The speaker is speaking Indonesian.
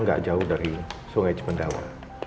gak jauh dari sungai jendawa